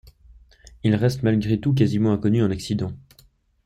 Il reste malgré tout quasiment inconnu en occident.